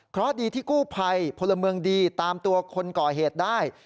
เพราะดีที่กู้ภัยพลเมืองดีตามตัวคนก่อเหตุได้